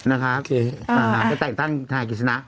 โอเคไปแต่งตั้งทนายกฤษณะ